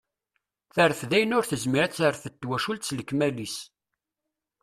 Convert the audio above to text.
Terfdeḍ ayen ur tezmir ad terfed twacult s lekmal-is.